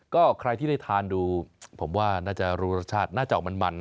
ก็ใครที่ได้ทานดูผมว่าน่าจะรู้รสชาติน่าจะออกมันนะ